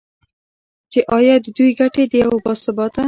چې ایا د دوی ګټې د یو با ثباته